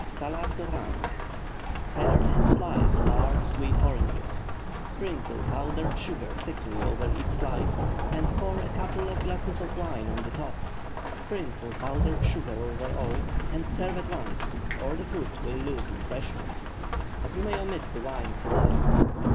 SALADE D'ORANGE. Pare and slice large sweet oranges; sprinkle powdered sugar thickly over each slice, and pour a couple of glasses of wine on the top. Sprinkle powdered sugar over all, and serve at once, or the fruit will lose its freshness. You may omit the wine if you like.